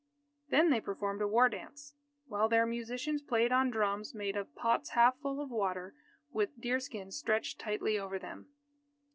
Then they performed a war dance, while their musicians played on drums made of pots half full of water, with deerskin stretched tightly over them.